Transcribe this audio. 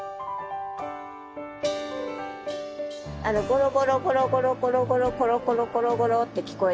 ゴロゴロゴロゴロゴロゴロゴロゴロゴロゴロって聞こえて。